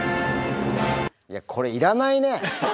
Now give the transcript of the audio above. いやこれいらないね。